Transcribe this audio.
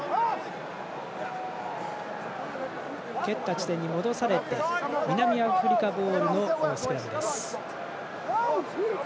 蹴った地点に戻されて南アフリカボールのスクラム。